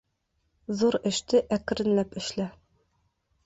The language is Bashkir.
Ҙур эште әкренләп эшлә.